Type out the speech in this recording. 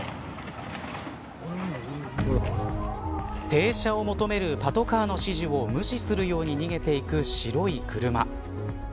停車を求めるパトカーの指示を無視するように逃げていく白い車。